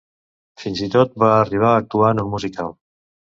Fins i tot, va arribar a actuar en un musical.